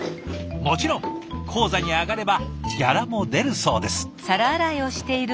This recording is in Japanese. もちろん高座に上がればギャラも出るそうです。